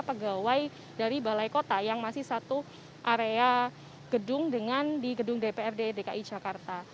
pegawai dari balai kota yang masih satu area gedung dengan di gedung dprd dki jakarta